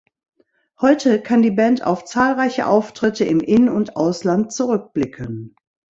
Heute kann die Band auf zahlreiche Auftritte im In- und Ausland zurückblicken.